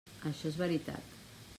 Això és veritat.